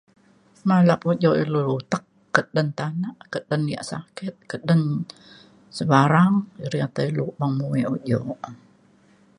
malap ujok ilu tek ke dalem tanak keden ya' sakit keden sebarang riak ya' lepa muek ujok